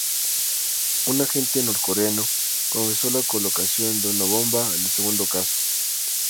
Un agente norcoreano confesó la colocación de una bomba en el segundo caso.